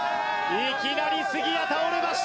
いきなり杉谷倒れました。